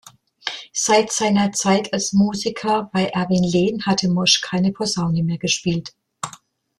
Seit seiner Zeit als Musiker bei Erwin Lehn hatte Mosch keine Posaune mehr gespielt.